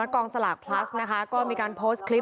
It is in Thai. อ๋อไม่ค่ะเขาจะตอบให้น่าจะเป็นพยานนะครับ